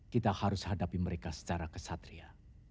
kita harus hadapi mereka secara kesatria